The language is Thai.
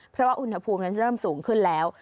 เพราะว่าอุณหภูมินั้นจะเริ่มสูงขึ้นแล้ว